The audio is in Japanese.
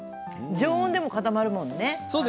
常温でも固まるものね。